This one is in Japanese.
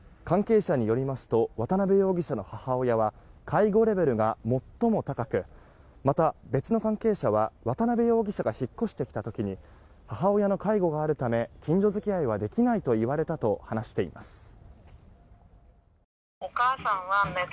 関係者によりますと渡邊容疑者の母親は介護レベルが最も高くまた、別の関係者は渡邊容疑者が引っ越してきた時に母親の介護があるため近所付き合いはできないといわれたと話しています。